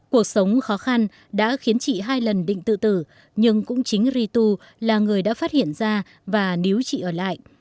cuộc sống khó khăn đã khiến chị hai lần định tự tử nhưng cũng chính ritu là người đã phát hiện ra và níu chị ở lại